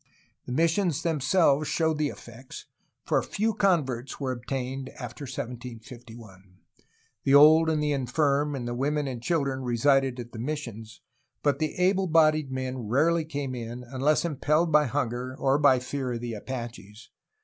The missions themselves showed the effects, for few converts were obtained after 1751. The old and the infirm and the women and children resided at the missions, but the able bodied men rarely came in, unless impelled by hunger or by fear of the Apaches.